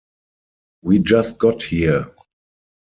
We just got here!